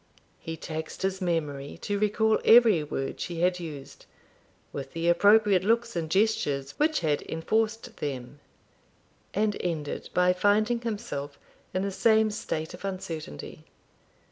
He taxed his memory to recall every word she had used, with the appropriate looks and gestures which had enforced them, and ended by finding himself in the same state of uncertainty.